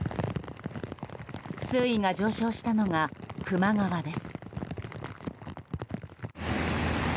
水位が上昇したのが球磨川です。